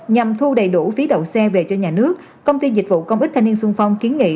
nhằm thu đầy đủ phí đậu xe về cho nhà nước công ty dịch vụ công ích thanh niên sung phong kiến nghị